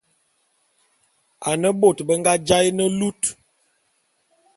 Ane bôt be nga jaé ne lut.